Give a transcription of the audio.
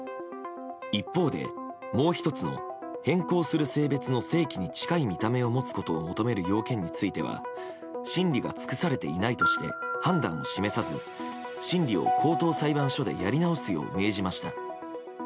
一方で、もう１つの変更する性別の性器に近い見た目を持つことを求める要件については審理が尽くされていないとして判断は示さず審理を高等裁判所でやり直すよう命じました。